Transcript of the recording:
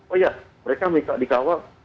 oh ya mereka minta dikawal